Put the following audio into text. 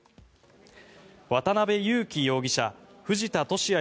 渡邉優樹容疑者藤田聖也